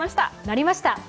なりました。